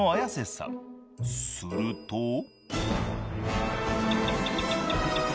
［すると］